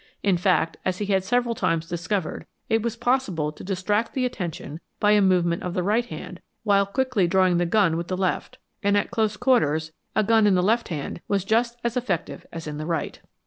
In fact, as he had several times discovered, it was possible to distract the attention by a movement of the right hand while quickly drawing the gun with the left, and at close quarters a gun in the left hand was just as effective as in the right.